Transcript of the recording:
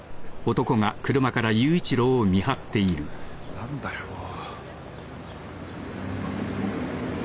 何だよもう。